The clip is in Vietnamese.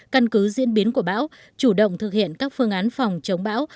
căn cứ diễn biến của bão chủ động thực hiện các phương án phòng chống bão